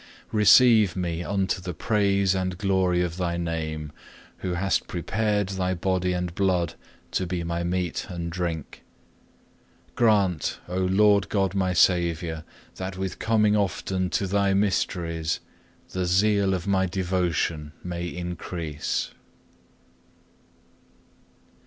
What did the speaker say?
Receive me unto the praise and glory of Thy name, who hast prepared Thy Body and Blood to be my meat and drink. Grant, O Lord God my Saviour, that with coming often to Thy mysteries the zeal of my devotion may increase.